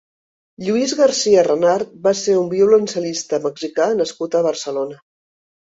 Lluís Garcia Renart va ser un violoncel·lista -mexicà nascut a Barcelona.